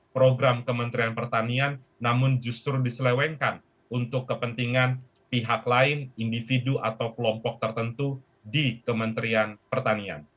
program kementerian pertanian namun justru diselewengkan untuk kepentingan pihak lain individu atau kelompok tertentu di kementerian pertanian